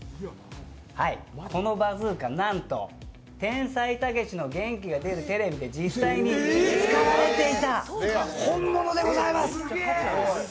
このバズーカ、なんと「天才・たけしの元気が出るテレビ！！」で実際に使われていた本物でございます。